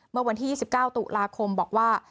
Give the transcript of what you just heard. เมื่อวันที่๒๙ตุลาคมบอกว่า